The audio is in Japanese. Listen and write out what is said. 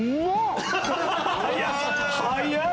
早い！